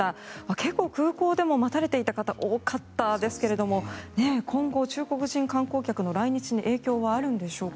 結構、空港でも待たれていた方が多かったですけれども今後、中国人観光客の来日に影響はあるのでしょうか。